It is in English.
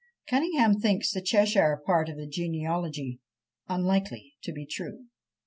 Cunningham thinks the Cheshire part of the genealogy "unlikely to be true."